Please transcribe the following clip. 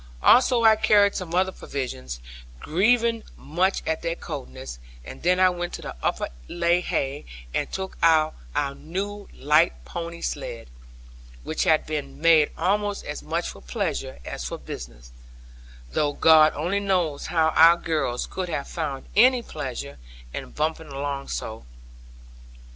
Also I carried some other provisions, grieving much at their coldness: and then I went to the upper linhay, and took our new light pony sledd, which had been made almost as much for pleasure as for business; though God only knows how our girls could have found any pleasure in bumping along so.